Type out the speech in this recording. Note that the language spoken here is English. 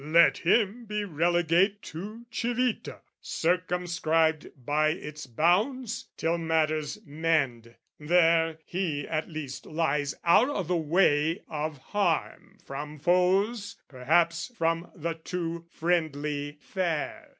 "Let him be relegate to Civita, "Circumscribed by its bounds till matters mend: "There he at least lies out o' the way of harm "From foes perhaps from the too friendly fair.